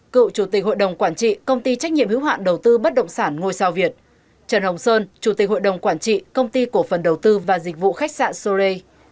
cựu chủ tịch hội đồng quản trị công ty trách nhiệm hữu hạn đầu tư bất động sản ngôi sao việt trần hồng sơn chủ tịch hội đồng quản trị công ty cổ phần đầu tư và dịch vụ khách sạn sore